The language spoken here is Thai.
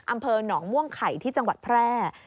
อำเภอหนองม่วงไข่ที่จังหวัดแพร่